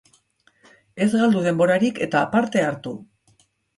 Ez galdu denborarik, eta parte hartu!